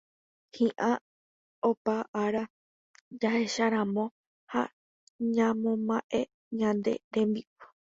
Hi'ã opa ára jahecharamo ha ñamomba'e ñane rembi'u